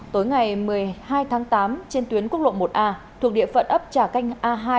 tối ngày một mươi hai tháng tám trên tuyến quốc lộ một a thuộc địa phận ấp trà canh a hai